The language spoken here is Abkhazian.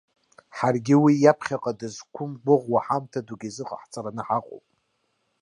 Ҳаргьы уи иаԥхьаҟа дызқәымгәыӷуа ҳамҭа дук изыҟаҳҵараны ҳаҟоуп.